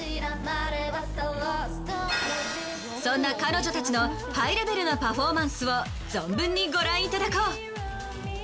そんな彼女たちのハイレベルなパフォーマンスを存分にご覧頂こう。